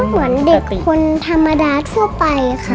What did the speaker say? เหมือนเด็กคนธรรมดาทั่วไปค่ะ